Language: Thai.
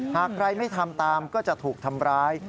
หากใครไม่ทำตามก็จะถูกทำร้าย